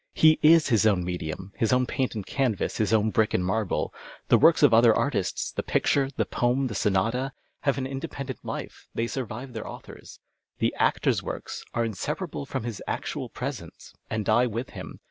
He is his own medium, his own paint and canvas, his own l)rick and marble. The works of other artists, the picture, the poem, the sonata, have an independent life, they survive their authors ; the actor's works are in separa})le from his actual presence, and die with him.